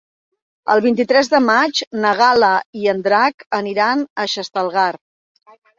El vint-i-tres de maig na Gal·la i en Drac aniran a Xestalgar.